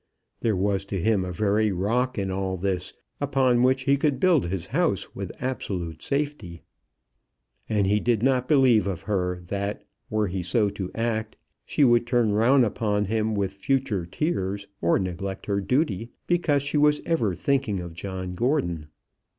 There was to him a very rock in all this, upon which he could build his house with absolute safety. And he did not believe of her that, were he so to act, she would turn round upon him with future tears or neglect her duty, because she was ever thinking of John Gordon.